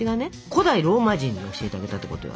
古代ローマ人に教えてあげたってことよ。